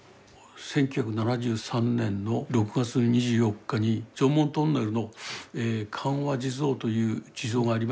１９７３年の６月２４日に常紋トンネルの歓和地蔵という地蔵がありまして